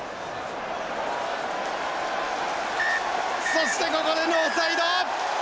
そしてここでノーサイド！